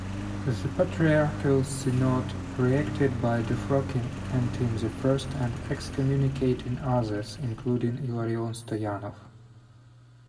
The Patriarchal Synod reacted by defrocking Antim I and excommunicating others, including Ilarion Stoyanov.